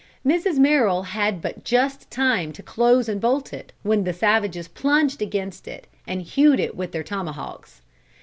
Mrs. Merrill had but just time to close and bolt it when the savages plunged against it and hewed it with their tomahawks.